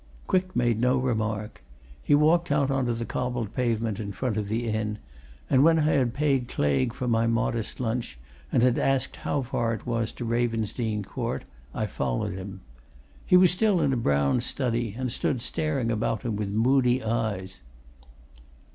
Quick made no remark. He walked out on to the cobbled pavement in front of the inn, and when I had paid Claigue for my modest lunch, and had asked how far it was to Ravensdene Court, I followed him. He was still in a brown study, and stood staring about him with moody eyes.